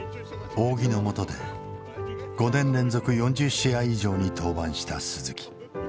仰木のもとで５年連続４０試合以上に登板した鈴木。